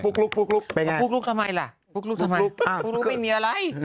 เป็นอย่างไรปุ๊กลุ๊กทำไมล่ะปุ๊กลุ๊กทำไมปุ๊กลุ๊กไม่มีอะไร